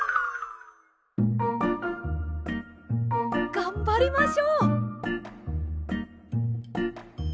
がんばりましょう！